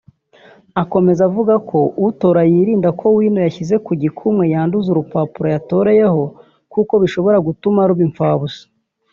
Akomeza avuga ko utora yirinda ko wino yashyize ku gikumwe yanduza urupapuro yatoreyeho kuko bishobora gutuma ruba impfabusa